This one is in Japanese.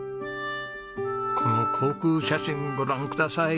この航空写真ご覧ください。